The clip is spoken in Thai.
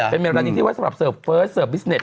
เป็นเมลาดีที่สำหรับเซิร์ฟเฟิร์สเซิร์ฟบิสเน็ต